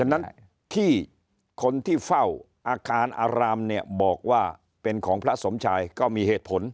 ฉะนั้นที่คนที่เฝ้าอาการอารามเนี่ยบอกว่าเป็นของพระสมชายก็มีเหตุผล